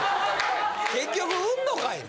結局売んのかいな。